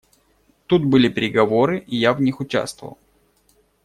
Тут были переговоры, и я в них участвовал.